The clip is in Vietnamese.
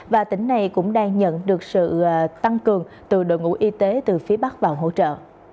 và tỉnh này cũng đang nhận được sự tăng cường từ đội ngũ y tế từ phía bắc vào hỗ trợ